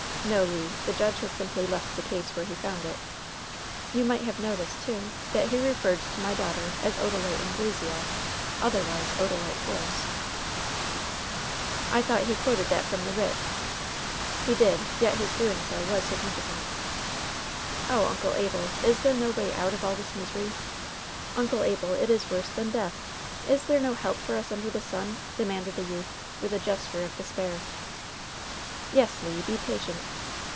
No, Le, the judge has simply left the case where he found it. You might have noticed, too, that he referred to my daughter as ^Odalite Anglesea, otherwise Odalite Force.' "^ LOVE'S BITTEREST CUP 128 ^*I thought he quoted that from the writ/' '^He did, yet his doing so was significant/' *^0h, Uncle Abel, is there no way out of all this mis ery ? Uncle Abel, it is worse than death ! Is there no help for us under the sun ?" demanded the youth, with a gesture of despair. "Yes, Le. Be patient."